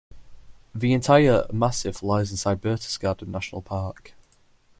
The entire massif lies inside Berchtesgaden National Park.